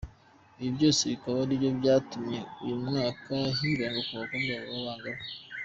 Ibi byose bikaba aribyo byatumye uyu mwaka hibandwa ku bakobwa b’abangavu.